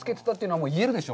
はい。